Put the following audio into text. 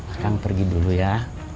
akang pergi dulu ya